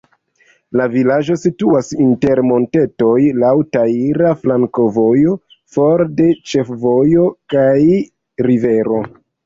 La vilaĝo situas inter montetoj, laŭ traira flankovojo, for de ĉefvojo kaj rivero.